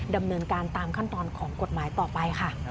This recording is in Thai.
ดำเนินการตามขั้นตอนของกฎหมายต่อไปค่ะ